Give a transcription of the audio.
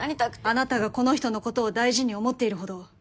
あなたがこの人のことを大事に思っているほど